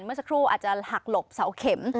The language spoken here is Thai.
เมื่อสักครู่อาจจะหักหลบเสาเข็ม